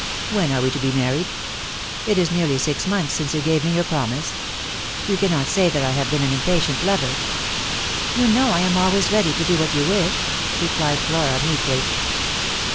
When are we to be married ? It is nearly six months since you gave me your promise. You cannot say that I have been an impatient lover." "You know I am always ready to do what you wish," replied Flora meekly.